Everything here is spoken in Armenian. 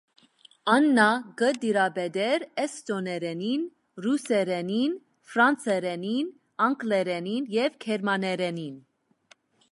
Աննա կը տիրապետէր՝ էսթոներէնին, ռուսերէնին, ֆրանսերէնին, անգլերէնին եւ գերմաներէնին։